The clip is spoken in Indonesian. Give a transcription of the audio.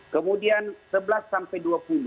kemudian sebelas sampai